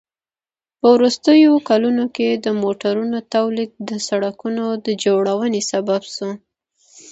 په وروستیو کلونو کې د موټرونو تولید د سړکونو د جوړونې سبب شو.